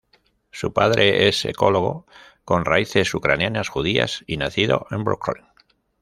Su padre es ecólogo, con raíces ucranianas judías, y nacido en Brooklyn.